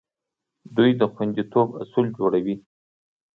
دوی د خوندیتوب اصول جوړوي.